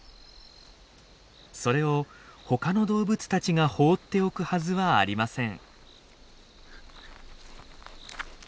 それをほかの動物たちがほうっておくはずはありません。